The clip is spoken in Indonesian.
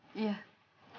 ibu elsa bangun